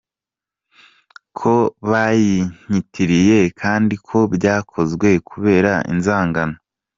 Ko bayinyitiriye kandi ko byakozwe kubera inzangano.